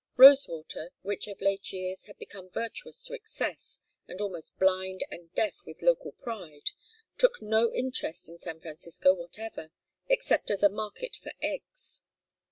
Rosewater, which of late years had become virtuous to excess, and almost blind and deaf with local pride, took no interest in San Francisco whatever, except as a market for eggs.